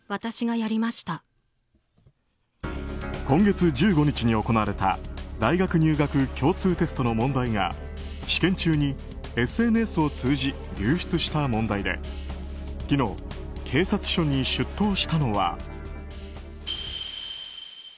今月１５日に行われた大学入学共通テストの問題が試験中にＳＮＳを通じ流出した問題で昨日、警察署に出頭したのは。